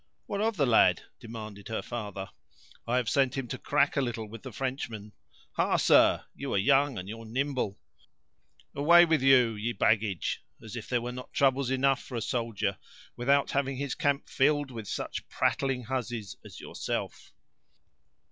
"What of the lad?" demanded her father; "I have sent him to crack a little with the Frenchman. Ha, sir, you are young, and you're nimble! Away with you, ye baggage; as if there were not troubles enough for a soldier, without having his camp filled with such prattling hussies as yourself!"